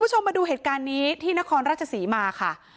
คุณผู้ชมมาดูเหตุการณ์นี้ที่นครราชศรีมาค่ะ